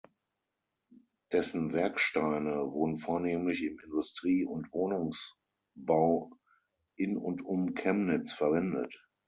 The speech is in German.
Dessen Werksteine wurden vornehmlich im Industrie- und Wohnungsbau in und um Chemnitz verwendet.